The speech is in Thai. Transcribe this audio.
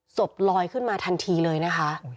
ศพลอยขึ้นมาทันทีเลยนะคะ